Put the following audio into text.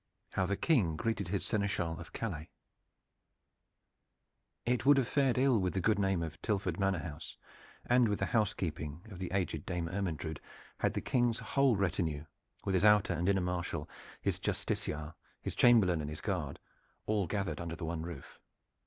HOW THE KING GREETED HIS SENESCHAL OF CALAIS It would have fared ill with the good name of Tilford Manor house and with the housekeeping of the aged Dame Ermyntrude had the King's whole retinue, with his outer and inner marshal, his justiciar, his chamberlain and his guard, all gathered under the one roof.